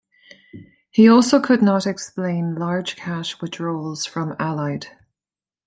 He also could not explain large cash withdrawals from Allied.